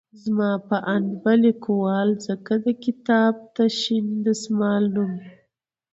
زما په اند به ليکوال ځکه د کتاب ته شين دسمال نوم